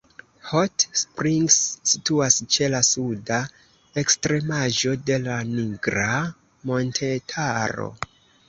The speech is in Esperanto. Hot Springs situas ĉe la suda ekstremaĵo de la Nigra montetaro.